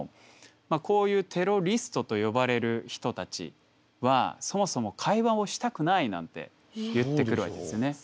こういうテロリストと呼ばれる人たちはそもそも会話をしたくないなんて言ってくるわけですね。